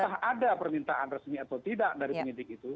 apakah ada permintaan resmi atau tidak dari penyidik itu